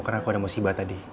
karena aku ada musibah tadi